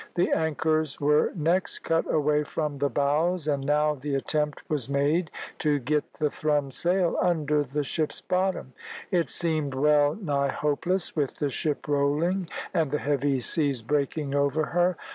The anchors were next cut away from the bows, and now the attempt was made to get the thrummed sail under the ship's bottom. It seemed well nigh hopeless, with the ship rolling and the heavy seas breaking over her.